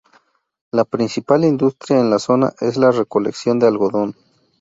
La principal industria en la zona es la recolección de algodón.